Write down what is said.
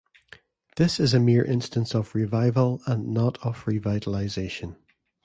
This is a mere instance of revival and not of revitalization.